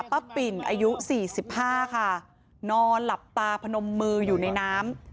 ป้าปิ่นอายุสี่สิบห้าค่ะนอนหลับตาพนมมืออยู่ในน้ำ